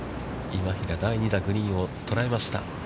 今平、第２打、グリーンを捉えました。